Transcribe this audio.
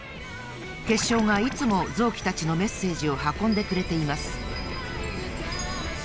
けっしょうがいつもぞうきたちのメッセージを運んでくれています。